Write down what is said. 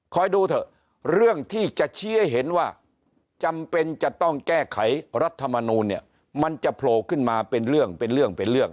ดูเถอะเรื่องที่จะชี้ให้เห็นว่าจำเป็นจะต้องแก้ไขรัฐมนูลเนี่ยมันจะโผล่ขึ้นมาเป็นเรื่องเป็นเรื่อง